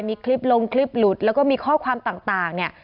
มีคลิปลงคลิปหลุดแล้วก็มีข้อความต่างเนี่ย